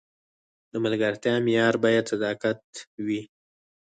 د ملګرتیا معیار باید صداقت وي.